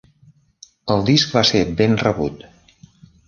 El disc va ser ben rebut.